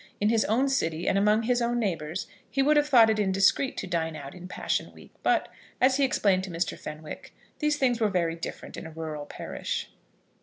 In his own city and among his own neighbours he would have thought it indiscreet to dine out in Passion week; but, as he explained to Mr. Fenwick, these things were very different in a rural parish.